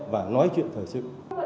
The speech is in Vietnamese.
và nói chuyện thời sự